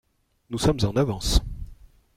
Nous sommes en avance.